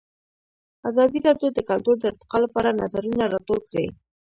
ازادي راډیو د کلتور د ارتقا لپاره نظرونه راټول کړي.